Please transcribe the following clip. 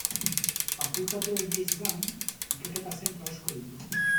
Fakultate horiez gainera, ikerketa-zentro asko ditu.